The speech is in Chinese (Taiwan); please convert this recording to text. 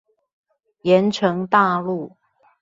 鹽埕大路